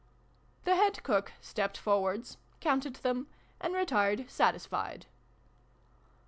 The Head Cook stepped forwards, counted them, and retired satisfied.